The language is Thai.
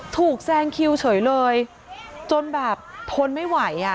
ถูกแซงคิวเฉยเลยจนแบบทนไม่ไหว